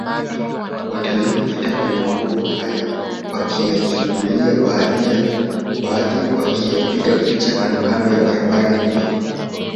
Watalii hupita kwenye magofu haya wakiyachungulia baadhi wakiyapiga picha kandokando ya barabara nyembamba